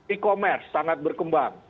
e commerce sangat berkembang